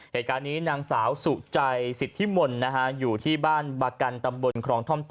เหตุการณ์นี้นางสาวสุจัยสิทธิมนต์นะฮะอยู่ที่บ้านบากันตำบลครองท่อม